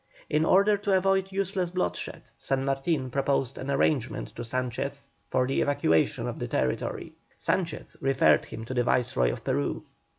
In order to avoid useless bloodshed, San Martin proposed an arrangement to Sanchez for the evacuation of the territory. Sanchez referred him to the Viceroy of Peru.